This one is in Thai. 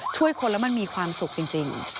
ช่วยคนแล้วมันมีความสุขจริง